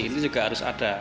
ini juga harus ada